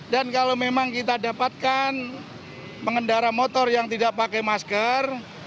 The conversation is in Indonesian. dan kalau memang kita dapatkan pengendara motor yang tidak pakai masker